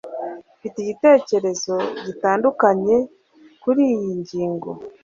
Mfite igitekerezo gitandukanye kuriyi ngingo